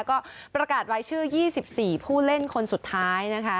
ก็ประกาศไว้ชื่อ๒๔ผู้เล่นคนสุดท้ายนะคะ